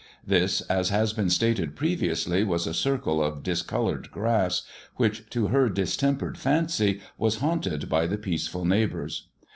This, as has been stated previously, was a circle of discoloured grass, which to her distempered fancy was haunted by the peace ful neighbours.